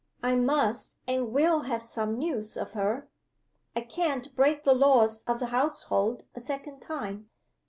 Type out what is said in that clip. I must and will have some news of her. I can't break the laws of the household a second time.